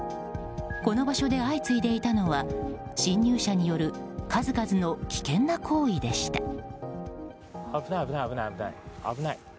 この場所で相次いでいたのは侵入者による数々の危険な行為でした。